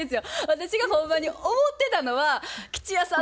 私がほんまに思ってたのは「吉弥さん